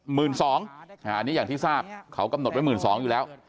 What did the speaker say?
อันนี้อย่างที่ทราบเขากำหนดไว้๑๒๐๐อยู่แล้ว